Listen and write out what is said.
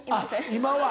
今は。